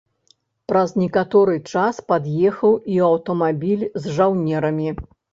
Праз некаторы час пад'ехаў і аўтамабіль з жаўнерамі.